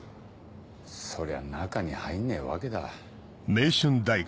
そりゃ中に入んねえわけだ。